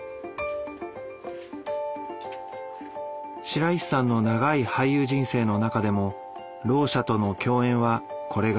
白石さんの長い俳優人生の中でもろう者との共演はこれが初めて。